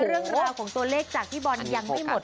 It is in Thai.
เรื่องราวของตัวเลขจากพี่บอลยังไม่หมด